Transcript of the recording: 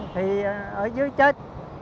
thì ở dưới chết